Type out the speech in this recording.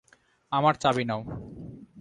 আমার চাবি নাও।